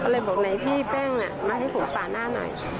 ก็เลยบอกไหนพี่แป้งมาให้ผมปาดหน้าหน่อย